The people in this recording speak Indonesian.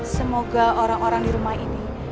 semoga orang orang di rumah ini